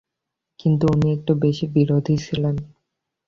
কিন্তু উনি একটু বেশি বিরোধী ছিলেন।